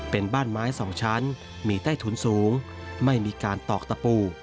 เป็นบ้านไม้สองชั้นมีใต้ถุนสูงไม่มีการตอกตะปู